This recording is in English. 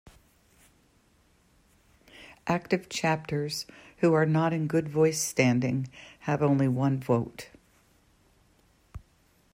Active chapters who are not in good standing have only one vote.